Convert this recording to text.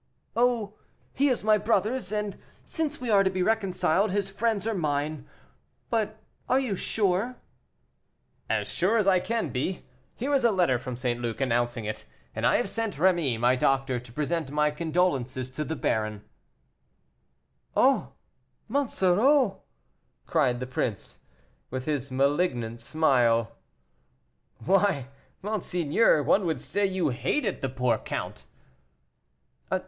"Oh, he is my brother's, and, since we are to be reconciled, his friends are mine. But are you sure?" "As sure as I can be. Here is a letter from St. Luc, announcing it; and I have sent Rémy, my doctor, to present my condolences to the old baron." "Oh, Monsoreau!" cried the prince, with his malignant smile. "Why monseigneur, one would say you hated the poor count."